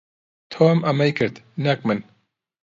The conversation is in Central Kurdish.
تۆم ئەمەی کرد، نەک من.